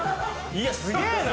いやすげえな！